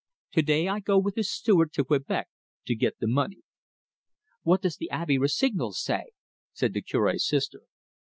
To day I go with his steward to Quebec to get the money." "What does the Abbe Rossignol say?" said the Cure's sister.